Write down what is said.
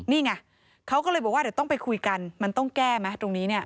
นี่ไงเขาก็เลยบอกว่าเดี๋ยวต้องไปคุยกันมันต้องแก้ไหมตรงนี้เนี่ย